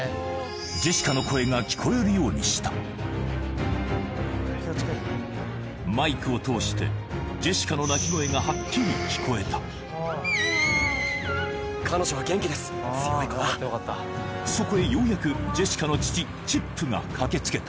ジェシカの声が聞こえるようにしたマイクを通してジェシカの泣き声がはっきり聞こえたそこへようやくジェシカの父・チップが駆けつけた